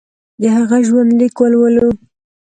د هغه ژوندلیک ولولو.